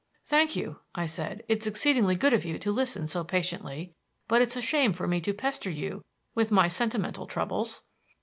"Thank you," I said. "It's exceedingly good of you to listen so patiently, but it's a shame for me to pester you with my sentimental troubles."